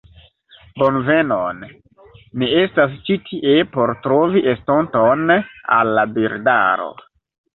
"Bonvenon. Ni estas ĉi tie por trovi estonton al la birdaro."